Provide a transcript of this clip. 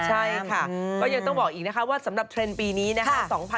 ใช่ค่ะก็ยังต้องบอกอีกนะคะว่าสำหรับเทรนด์ปีนี้นะคะ